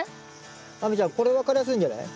亜美ちゃんこれ分かりやすいんじゃない？